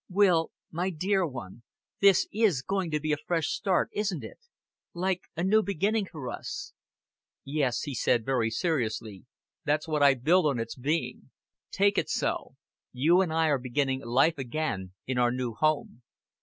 "Will, my dear one, this is going to be a fresh start, isn't it? Like a new beginning for us." "Yes," he said, very seriously, "that's what I build on its being. Take it so. You and I are beginning life again in our new home."